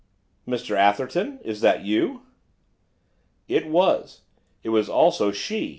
'Mr Atherton! Is that you?' It was, it was also she.